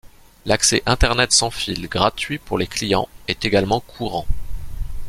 L'accès Internet sans fil gratuit pour les clients est également courant.